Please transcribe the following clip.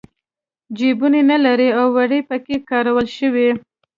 جېبونه نه لري او وړۍ پکې کارول شوي.